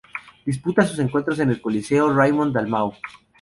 Disputa sus encuentros en el Coliseo Raymond Dalmau.